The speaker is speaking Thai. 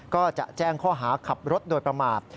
ก็จะแจ้งข้อหาขับรถโดยประมาท